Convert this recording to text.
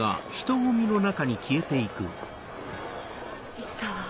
行ったわ。